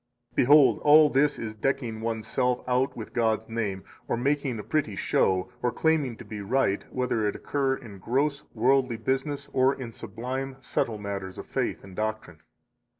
55 Behold, all this is decking one's self out with God's name, or making a pretty show, or claiming to be right, whether it occur in gross, worldly business or in sublime, subtile matters of faith and doctrine.